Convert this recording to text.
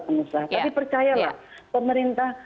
pengusaha tapi percayalah pemerintah